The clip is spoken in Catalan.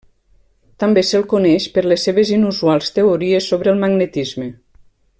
També se'l coneix per les seves inusuals teories sobre el magnetisme.